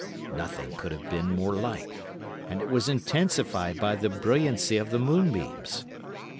Nothing could have been more like, and it was intensified by the brilliancy of the moonbeams.